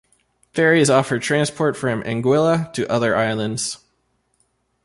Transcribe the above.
Ferries offer transport from Anguilla to other islands.